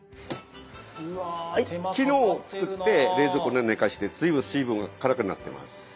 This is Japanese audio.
はい昨日作って冷蔵庫で寝かせて随分水分が軽くなってます。